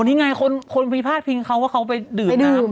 อ๋อวันนี้ไงคนมีภาพเพียงเค้าว่าเค้าไปดื่มน้ำ